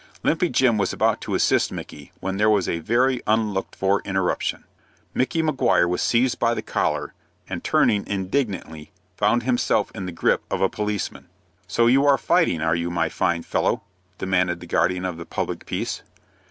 Limpy Jim was about to assist Micky, when there was a very unlooked for interruption. Micky Maguire was seized by the collar, and, turning indignantly, found himself in the grip of a policeman. "So you are fighting, are you, my fine fellow?" demanded the guardian of the public peace.